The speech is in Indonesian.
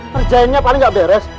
kerjainnya paling gak beres